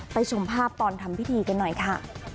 ชมภาพตอนทำพิธีกันหน่อยค่ะ